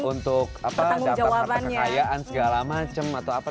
untuk dapat harta kekayaan segala macam atau apa